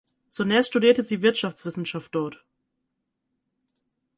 Zunächst studierte sie Wirtschaftswissenschaft dort.